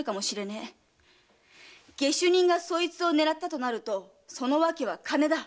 下手人がそいつを狙ったとなるとその訳は金だ。